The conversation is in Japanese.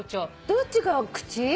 どっちが口？